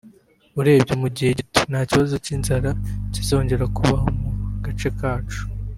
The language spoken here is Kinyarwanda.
urebye mu gihe gito nta kibazo cy’inzara kizongera kubaho mu gace kacu